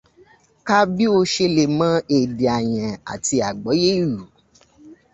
Ka bí o ṣe le mọ èdè Àyàn àti àgbọ́yé ìlù.